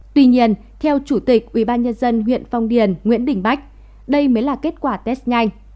tuy nhiên theo chủ tịch ubnd huyện phong điền nguyễn đình bách đây mới là kết quả test nhanh